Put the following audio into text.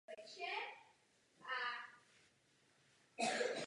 Společnost měla řadu příznivců a měla politický vliv.